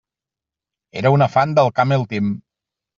Era una fan del Camel Team.